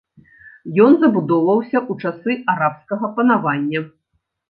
Ён забудоўваўся ў часы арабскага панавання.